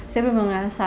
saya bener bener ngerasa